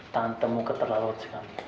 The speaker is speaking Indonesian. tante muka terlalu rotsik